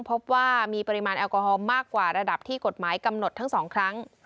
พบว่ามีปริมาณแอลกอฮอลมากกว่าระดับที่กฎหมายกำหนดทั้ง๒ครั้ง